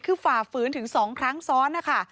คือฝ่าฝืนถึง๒ครั้งซ้อนนะคะ